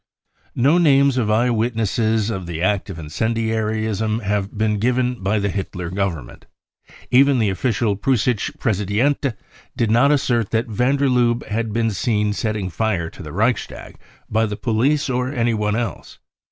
No names of eye witnesses of the act of incendiarism have been given by the Hitler Government. Even the official t Preussiscke Pressedicnst did not assert that van der Lubbe had been seen setting fire to the Reichstag by the police or by anyone else.